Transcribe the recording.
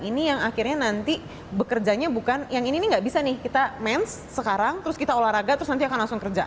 ini yang akhirnya nanti bekerjanya bukan yang ini nih nggak bisa nih kita mens sekarang terus kita olahraga terus nanti akan langsung kerja